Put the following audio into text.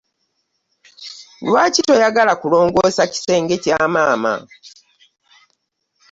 Lwaki toyagala kulongoosa kisenge kya maama?